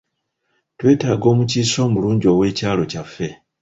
Twetaaga omukiise omulungi ow'ekyalo kyaffe.